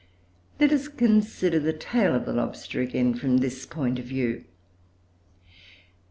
Let us consider the tail of the lobster again from this point of view.